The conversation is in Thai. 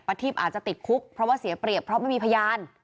ทีปอาจจะติดคุกเพราะว่าเสียเปรียบเพราะไม่มีพยาน